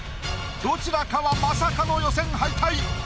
どちらかはまさかの予選敗退。